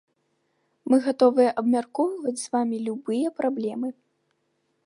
Мы гатовыя абмяркоўваць з вамі любыя праблемы.